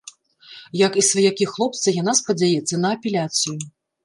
Як і сваякі хлопца, яна спадзяецца на апеляцыю.